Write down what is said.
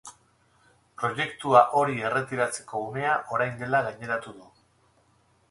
Proiektua hori erretiratzeko unea orain dela gaineratu du.